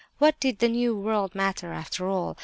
What did the New World matter after all?